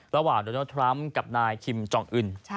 ระหว่างโดนัลดทรัมป์กับนายคิมจองอื่น